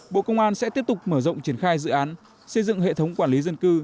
bộ công an sẽ tiếp tục mở rộng triển khai dự án xây dựng hệ thống quản lý dân cư